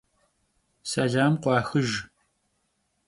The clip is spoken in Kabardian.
Selam khuaxıjj.